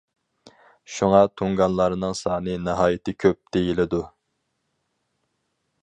شۇڭا تۇڭگانلارنىڭ سانى ناھايىتى كۆپ، دېيىلىدۇ.